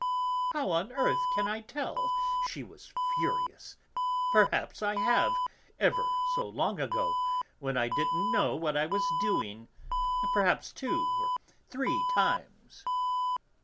"How on earth can I tell?" she was furious. "Perhaps I have, ever so long ago, when I didn't know what I was doing, perhaps two or three times."